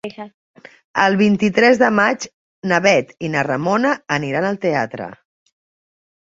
El vint-i-tres de maig na Bet i na Ramona aniran al teatre.